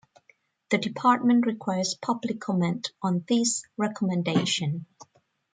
The Department requests public comment on this recommendation.